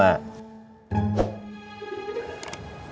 ya makasih ya